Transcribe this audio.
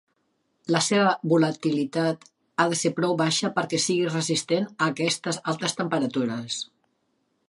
La seva volatilitat ha de ser prou baixa perquè sigui resistent a aquestes altes temperatures.